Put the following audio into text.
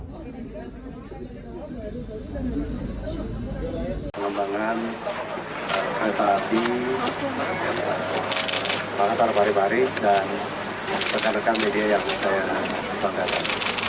pengembangan kereta api makassar parepare dan rekan rekan media yang saya panggatan